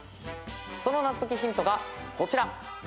その謎解きヒントがこちら。